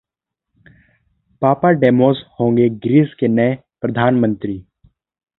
Papademos होंगे Greece के नए प्रधानमंत्री